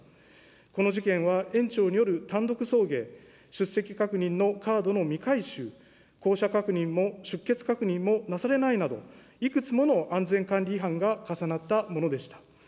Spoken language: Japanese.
この事件は園長による単独送迎、出席確認のカードの未回収、降車確認も出欠確認もなされないなど、いくつもの安全管理違反が重なったものでした。